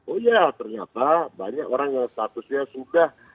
oh ya ternyata banyak orang yang statusnya sudah